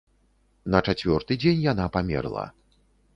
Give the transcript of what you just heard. На чацвёрты дзень яна памерла.